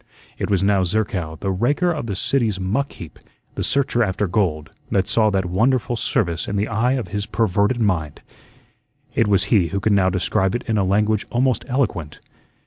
It was now Zerkow, the raker of the city's muck heap, the searcher after gold, that saw that wonderful service in the eye of his perverted mind. It was he who could now describe it in a language almost eloquent.